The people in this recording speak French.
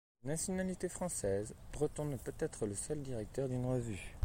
De nationalité française, Breton ne peut être le seul directeur d'une revue.